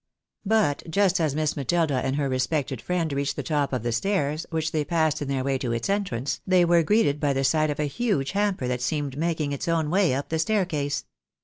But just as Miss Matilda and her respected friend reached the top of the stairs, which they passed in their way to its entrance, they were greeted by the sight of a huge hamper that seemed making its own way up the staircase.